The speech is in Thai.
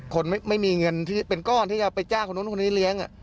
คนไม่มีเงินที่เป็นก้อนที่จะไปจ้างคนนู้นคนนี้เลี้ยง